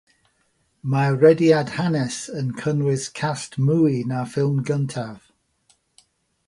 Mae'r rhediad hanes yn cynnwys cast mwy na'r ffilm gyntaf.